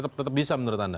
tetap bisa menurut anda